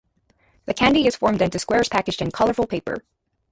The candy is formed into squares packaged in colorful paper.